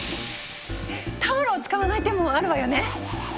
タオルを使わない手もあるわよね！